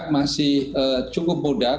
masih cukup muda